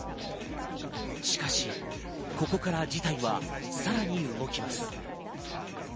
しかし、ここから事態はさらに動きます。